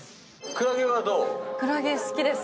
クラゲ好きです。